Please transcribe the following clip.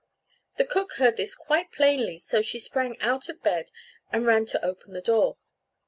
The cook heard this quite plainly, so she sprang out of bed and ran to open the door.